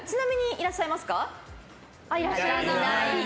いらっしゃらない。